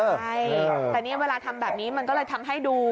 ใช่แต่นี่เวลาทำแบบนี้มันก็เลยทำให้ดู